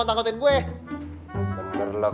yusuf belum bisa balik